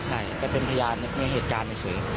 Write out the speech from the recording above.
ใช่ไปเป็นพยานในเหตุการณ์เฉย